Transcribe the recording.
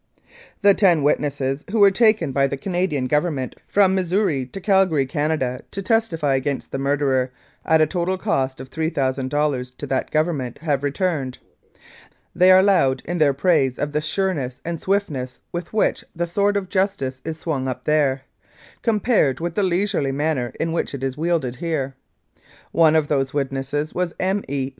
"The ten witnesses who were taken by the Canadian 250 The Benson Murder and Arson Government from Missouri to Calgary, Canada, to testify against the murderer, at a total cost of $3,000 to that Government, have returned. They are loud in their praise of the sureness and swiftness with which the sword of justice is swung up there, compared with the leisurely manner in which it is wielded here. "One of those witnesses was M. E.